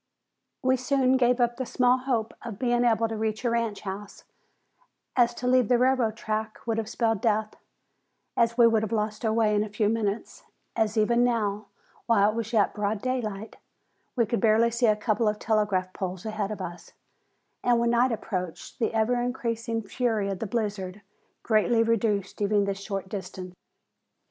We soon gave up the small hope of being able to reach a ranch house, as to leave the railroad track would have spelled death, as we would have lost our way in a few minutes, as even now, while it was yet broad daylight, we could barely see a couple of telegraph poles ahead of us, and when night approached the ever increasing fury of the blizzard greatly reduced even this short distance.